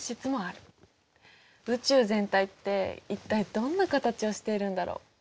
宇宙全体って一体どんな形をしているんだろう。